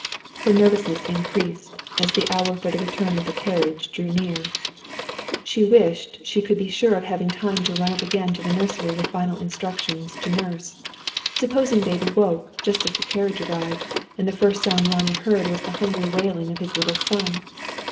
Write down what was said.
Her nervousness increased, as the hour for the return of the carriage drew near. She wished she could be sure of having time to run up again to the nursery with final instructions to Nurse. Supposing baby woke, just as the carriage arrived, and the first sound Ronnie heard was the hungry wailing of his little son!